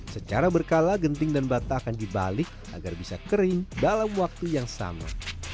secara berkala genting dan bata akan dibalik agar bisa kering dalam waktu yang sama